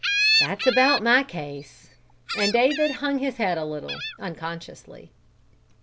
"That's about my case." And David, hung his head a little, unconsciously.